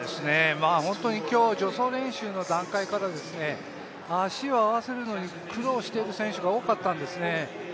本当に今日、助走練習の段階から足を合わせるのに苦労している選手が多かったんですね。